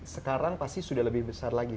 sekarang pasti sudah lebih besar lagi